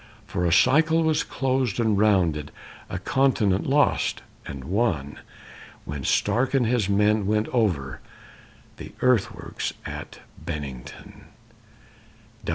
For a cycle was closed and rounded, A continent lost and won, When Stark and his men went over The earthworks at Bennington.